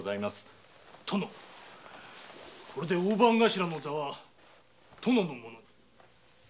殿これで大番頭の座は殿のものに。